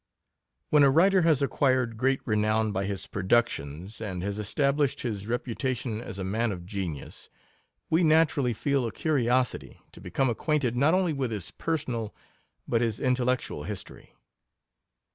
When a writer has acquired great renown by his productions, and has established his reputation as a man of genius, we naturally feel a curiosity to become acquainted not only with his personal but his intellectual history.